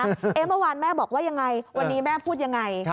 เมื่อวานแม่บอกว่ายังไงวันนี้แม่พูดยังไง